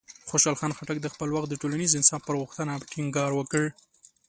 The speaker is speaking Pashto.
خوشحال خان خټک د خپل وخت د ټولنیز انصاف پر غوښتنه ټینګار وکړ.